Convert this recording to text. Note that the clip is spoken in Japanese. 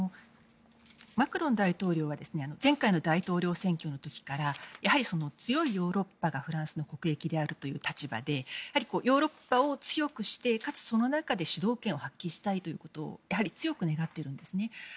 マクロン大統領は前回の大統領選挙の時から強いヨーロッパが、フランスの国益であるという立場でヨーロッパを強くして、かつその中で主導権を発揮したいとやはり強く願っているんですね。